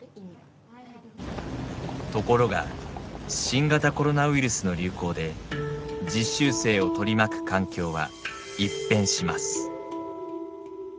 ところが新型コロナウイルスの流行で実習生を取り巻く環境は一変します。